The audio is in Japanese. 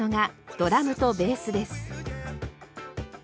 ドラムとベース編